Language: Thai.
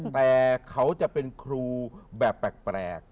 แต่เขาจะเป็นครูแบบแปลก